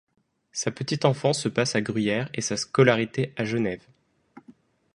Sa petite enfance se passe en Gruyère et sa scolarité à Genève.